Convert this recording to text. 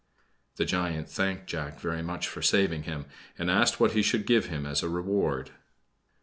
The giant thanked Jack very much for saving him, and asked what he should give him as a reward?